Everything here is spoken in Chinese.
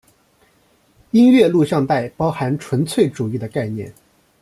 音乐录像带包含纯粹主义的概念。